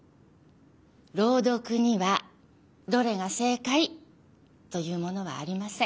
朗読にはどれが正かいというものはありません。